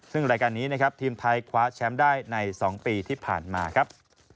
ซึ่งรายการนี้นะครับทีมไทยคว้าแชมป์ได้ใน๒ปีที่ผ่านมาครับ